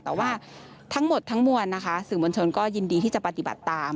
แต่ว่าทั้งหมดทั้งมวลนะคะสื่อมวลชนก็ยินดีที่จะปฏิบัติตาม